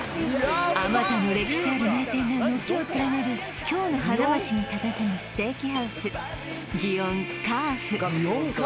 あまたの歴史ある名店が軒を連ねる京の花街にたたずむステーキハウス祇園Ｃａｌｆ